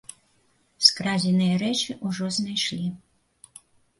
Скрадзеныя рэчы ўжо знайшлі.